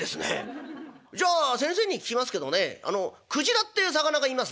じゃあ先生に聞きますけどもねくじらっていう魚がいますね」。